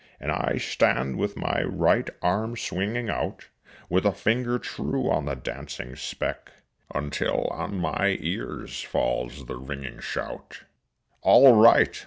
And I stand with my right arm swinging out, With a finger true on the dancing speck, Until on my ears falls the ringing shout: "All right!